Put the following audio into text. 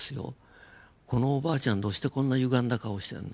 このおばあちゃんどうしてこんなゆがんだ顔してんの？